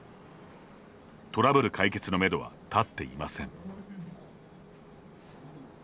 トラブル解決のめどは立っていません。